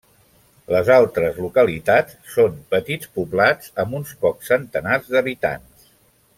Les altres localitats són petits poblats amb uns pocs centenars d'habitants.